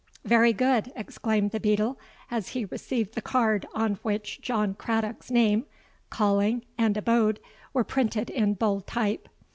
'—'Very good,' exclaimed the beadle, as he received the card on which John Craddock's name, calling, and abode were printed in bold type.